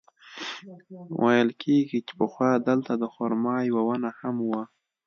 ویل کېږي چې پخوا دلته د خرما یوه ونه هم وه.